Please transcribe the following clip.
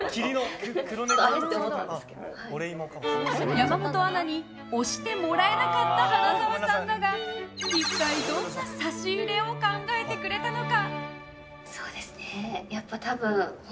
山本アナに推してもらえなかった花澤さんだが一体どんな差し入れを考えてくれたのか？